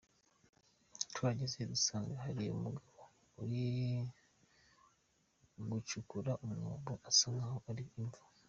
Tuhageze dusanga hari umugabo uri gucukura umwobo usa nk’aho ari imva.